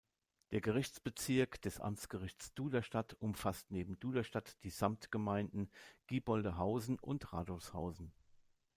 Der Gerichtsbezirk des Amtsgerichts Duderstadt umfasst neben Duderstadt die Samtgemeinden Gieboldehausen und Radolfshausen.